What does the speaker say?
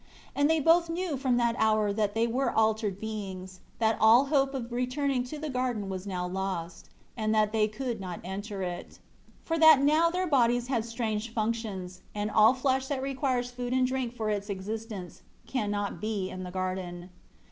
And they both knew from that hour that they were altered beings, that all hope of returning to the garden was now lost; and that they could not enter it. 8 For that now their bodies had strange functions; and all flesh that requires food and drink for its existence, cannot be in the garden.